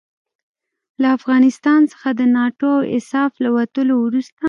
له افغانستان څخه د ناټو او ایساف له وتلو وروسته.